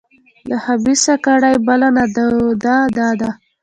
د خبیثه کړۍ بله نادوده دا ده.